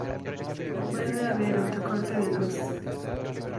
Vuelve a haber otro corte de luz.